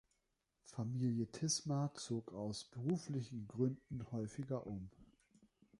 Familie Tismer zog aus beruflichen Gründen häufiger um.